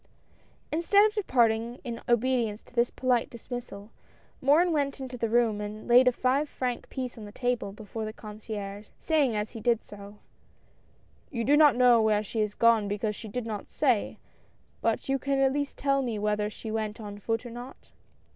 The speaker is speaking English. Instead of departing in obedience to this polite dis missal, Morin went into the room and laid a five franc piece on the table before the concierge, saying as he did so :" You do not know where she has gone because she did not say, but you can at least tell me whether she went on foot or not?